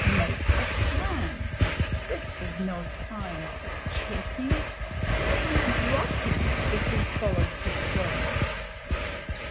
Make a plan. This is no time for chasing. They may drop him if we follow too close."